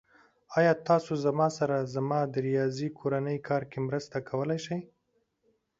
ایا تاسو زما سره زما د ریاضی کورنی کار کې مرسته کولی شئ؟